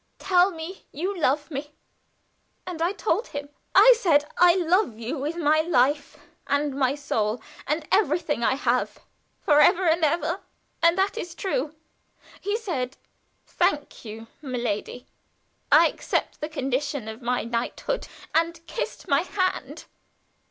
Tell me you love me.' And I told him. I said, 'I love you with my life and my soul, and everything I have, for ever and ever.' And that is true. He said, 'Thank you, milady. I accept the condition of my knighthood,' and kissed my hand.